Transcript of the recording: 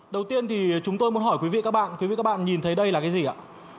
đầu tiên thì chúng tôi muốn hỏi quý vị các bạn quý vị các bạn nhìn thấy đây là cái gì ạ